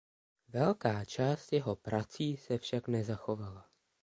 Velká část jeho prací se však nezachovala.